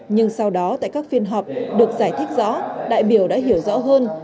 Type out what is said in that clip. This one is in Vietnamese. nhưng sau đó tại các phiên họp được giải thích rõ đại biểu đã hiểu rõ hơn